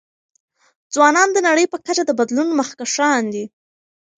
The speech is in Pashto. ځوانان د نړۍ په کچه د بدلون مخکښان دي.